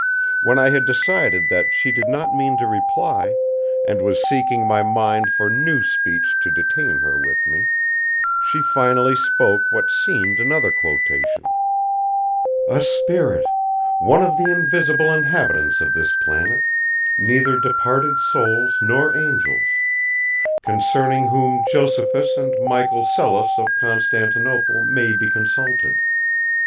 When I had decided that she did not mean to reply, and was seeking my mind for new speech to detain her with me, she finally spoke what seemed another quotation: "'A spirit one of the invisible inhabitants of this planet, neither departed souls nor angels; concerning whom Josephus and Michael Psellus of Constantinople may be consulted.